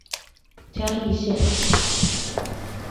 嘉義縣臺南市